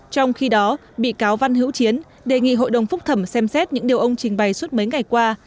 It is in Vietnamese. trong khi đó bị cáo văn hữu chiến đề nghị hội đồng phúc thẩm xem xét những điều ông trình bày suốt mấy ngày qua